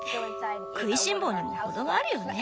食いしん坊にもほどがあるよね。